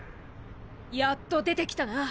やっと出てきたな！